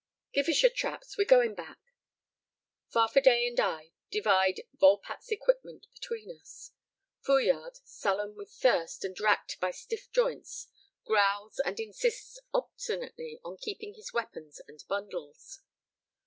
"Give us your traps, we're going back." Farfadet and I divide Volpatte's equipment between us. Fouillade, sullen with thirst and racked by stiff joints, growls, and insists obstinately on keeping his weapons and bundles.